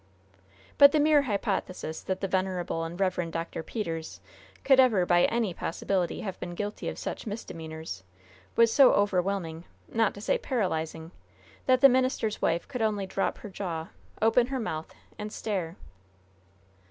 But the mere hypothesis that the venerable and reverend Dr. Peters could ever by any possibility have been guilty of such misdemeanors was so overwhelming, not to say paralyzing, that the minister's wife could only drop her jaw, open her mouth, and stare.